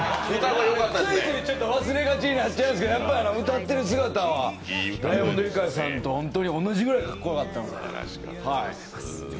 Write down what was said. ついついちょっと忘れがちになっちゃうんですけど、やっぱ歌ってる姿はユカイさんと同じくらいかっこよかったです。